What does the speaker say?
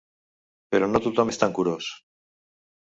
Però no tothom és tan curós.